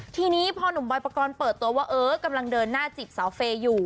ทีนี้พอหนุ่มบอยปกรณ์เปิดตัวว่าเออกำลังเดินหน้าจีบสาวเฟย์อยู่